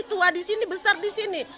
tua di sini besar di sini